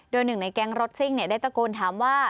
โดยหนึ่งในแก๊งรถซิ่งได้ตะโกนถามว่า